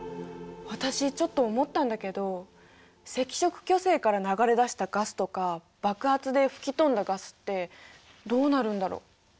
私ちょっと思ったんだけど赤色巨星から流れ出したガスとか爆発で吹き飛んだガスってどうなるんだろ。